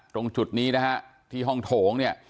ตรงจุดนี้นะฮะที่ห้องโถง